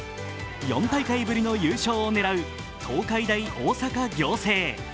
４大会ぶりの優勝を狙う東海大大阪仰星。